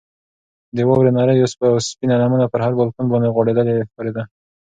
د واورې نرۍ او سپینه لمنه پر هر بالکن باندې غوړېدلې ښکارېده.